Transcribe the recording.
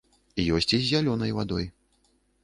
Ёсць і з зялёнай вадой.